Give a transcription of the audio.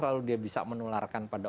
lalu dia bisa menularkan pada